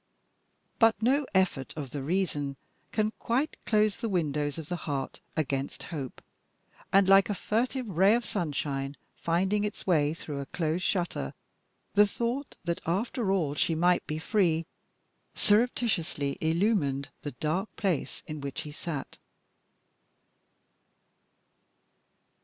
But no effort of the reason can quite close the windows of the heart against hope, and, like a furtive ray of sunshine finding its way through a closed shutter, the thought that, after all, she might be free surreptitiously illumined the dark place in which he sat.